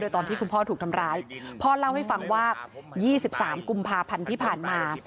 ตอนที่คุณพ่อถูกทำร้ายพ่อเล่าให้ฟังว่า๒๓กุมภาพันธ์ที่ผ่านมา